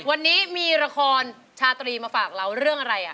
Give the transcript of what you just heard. วันนี้มีละครชาตรีมาฝากเราเรื่องอะไร